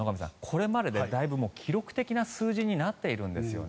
これまででだいぶ記録的な数字になっているんですよね。